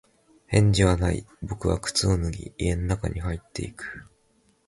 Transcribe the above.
返事はない。僕は靴を脱ぎ、家の中に入っていく。